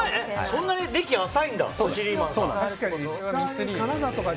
そんなに歴浅いんだ。